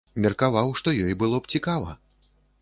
Меркаваў, што ёй было б цікава.